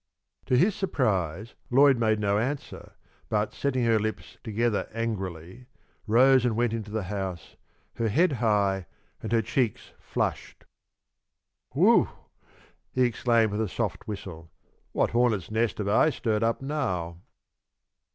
To his surprise Lloyd made no answer, but, setting her lips together angrily, rose and went into the house, her head high and her cheeks flushed. "Whew!" he exclaimed, with a soft whistle. "What hornet's nest have I stirred up now?"